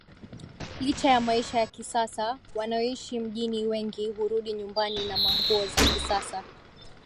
licha ya maisha ya kisasa wanayoishi mjini wengi hurudi nyumbani na nguo za kisasa